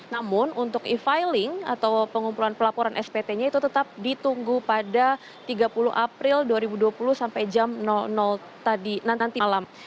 namun untuk e filing atau pengumpulan pelaporan spt nya itu tetap ditunggu pada tiga puluh april dua ribu dua puluh sampai jam